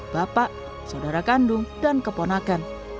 bapak saudara kandung dan keponakan